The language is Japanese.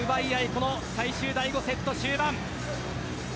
この最終第５セット終盤。